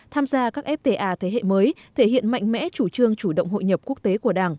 tham gia các fta thế hệ mới thể hiện mạnh mẽ chủ trương chủ động hội nhập quốc tế của đảng